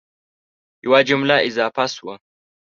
یوه جمله اضافه شوه